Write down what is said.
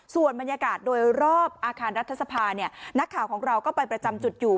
ส่วนบรรยากาศโดยรอบอาคารรัฐสภานักข่าวของเราก็ไปประจำจุดอยู่